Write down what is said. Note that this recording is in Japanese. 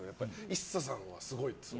ＩＳＳＡさんはすごいって。